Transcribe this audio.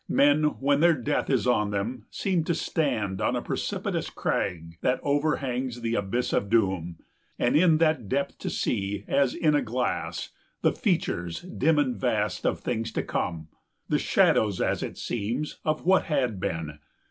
Men, when their death is on them, seem to stand On a precipitous crag that overhangs The abyss of doom, and in that depth to see, 135 As in a glass, the features dim and vast Of things to come, the shadows, as it seems, Of what had been.